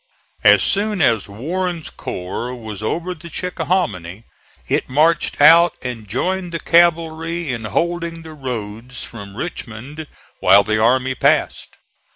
As soon as Warren's corps was over the Chickahominy it marched out and joined the cavalry in holding the roads from Richmond while the army passed.